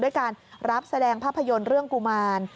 ด้วยการรับแสดงภาพยนตร์เรื่องกุมาร